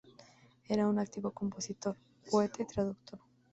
Era un activo compositor, poeta y traductor.